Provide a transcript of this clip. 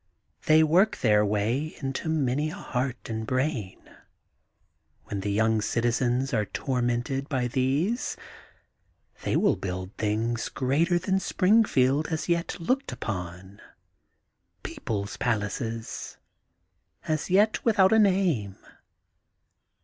They work their way to many a heart and brain. When the young citi zens are tormented by these they will build things greater than Springfield has yet looked upon, people's palaces, as yet without a name.